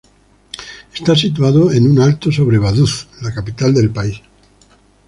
Está situado en un alto sobre Vaduz, la capital del país.